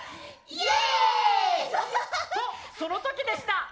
イエイ！とその時でした。